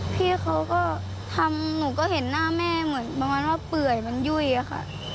พี่เขาก็ทำหนูก็เห็นหน้าแม่เหมือนประมาณว่าเปื่อยมันยุ่ยอะค่ะ